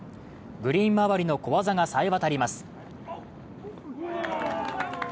グリーン周りの小技が冴えわたります。